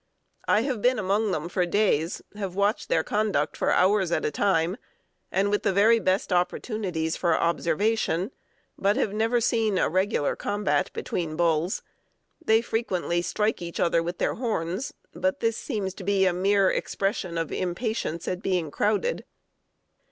I have been among them for days, have watched their conduct for hours at a time, and with the very best opportunities for observation, but have never seen a regular combat between bulls. They frequently strike each other with their horns, but this seems to be a mere expression of impatience at being crowded."